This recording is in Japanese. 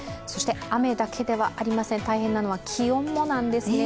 雨だけではありません、大変なのは気温もなんですね。